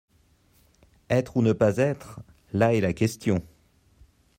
Être ou ne pas être, là est la question.